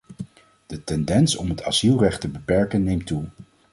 De tendens om het asielrecht te beperken neemt toe.